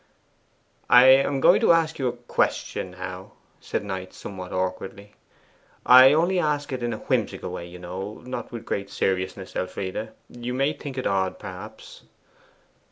'I am going to ask you a question now,' said Knight, somewhat awkwardly. 'I only ask it in a whimsical way, you know: not with great seriousness, Elfride. You may think it odd, perhaps.